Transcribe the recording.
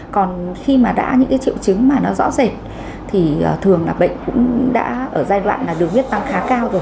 còn khi mà đã những triệu chứng mà nó rõ rệt thì thường là bệnh cũng đã ở giai đoạn là đường huyết tăng khá cao rồi